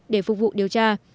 để phục vụ điều tra